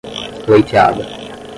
pleiteada